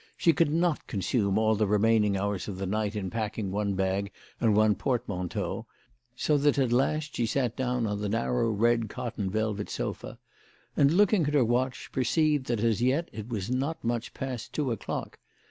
She could not consume all the remaining hours of the night in packing one bag and one portmanteau, so that at last she sat down on the narrow red cotton velvet sofa, and, looking at her watch, perceived that as yet it was not much past two o'clock.